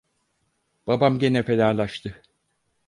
Babam gene fenalaştı!